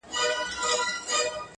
په مړاوو گوتو كي قوت ډېر سي.